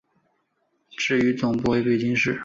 至于总部为北京市。